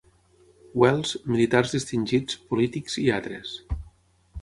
Wells, militars distingits, polítics i altres.